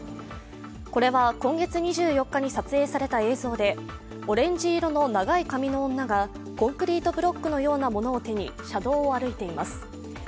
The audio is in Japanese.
これは今月２４日に撮影された映像でオレンジ色の長い髪の女がコンクリートブロックのようなものを手に車道を歩いています。